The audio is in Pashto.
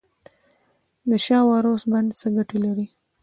د شاه و عروس بند څه ګټه لري؟